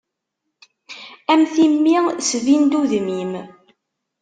Am timmi sbin-d udem-im.